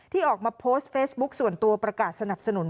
ออกมาโพสต์เฟซบุ๊คส่วนตัวประกาศสนับสนุน